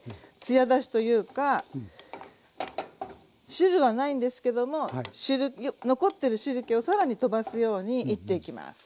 汁はないんですけども残ってる汁けをさらにとばすようにいっていきます。